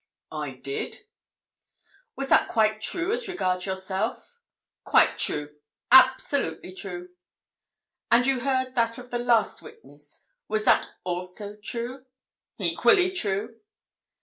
"I did." "Was that quite true as regards yourself?" "Quite true—absolutely true." "And you heard that of the last witness. Was that also true!" "Equally true."